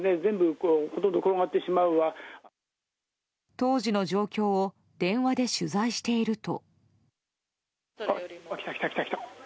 当時の状況を電話で取材していると。